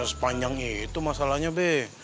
bisa sepanjang itu masalahnya be